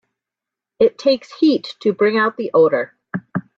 It takes heat to bring out the odor.